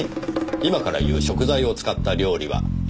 今から言う食材を使った料理はなんでしょう？